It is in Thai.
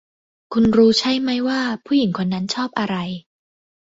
คุณรู้ใช่ไม่ว่าผู้หญิงคนนั้นชอบอะไร